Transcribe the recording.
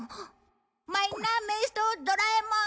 マインナーメイストドラえもん。